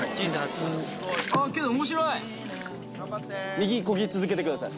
右こぎ続けてください。